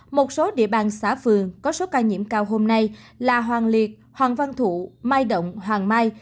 một số địa bàn xã phường có số ca nhiễm cao hôm nay là hoàng liệt hoàng văn thụ mai động hoàng mai